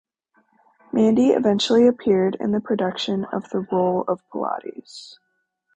Mandy eventually appeared in the production in the role of Pilate.